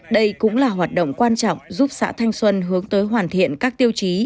đây cũng là hoạt động quan trọng giúp xã thanh xuân hướng tới hoàn thiện các tiêu chí